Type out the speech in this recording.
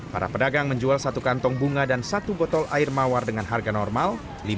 para pedagang menjual satu kantong bunga dan satu botol air mawar dengan harga normal